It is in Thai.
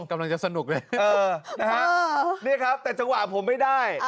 กำลังจะสนุกเลยเออนะฮะนี่ครับแต่จังหวะผมไม่ได้